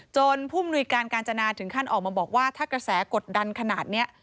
ผู้มนุยการกาญจนาถึงขั้นออกมาบอกว่าถ้ากระแสกดดันขนาดนี้